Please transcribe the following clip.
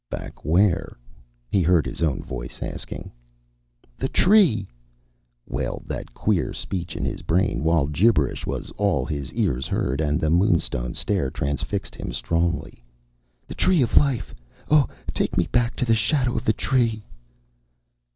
"Back where?" he heard his own voice asking. "The Tree!" wailed that queer speech in his brain, while gibberish was all his ears heard and the moonstone stare transfixed him strongly. "The Tree of Life! Oh, take me back to the shadow of the Tree!"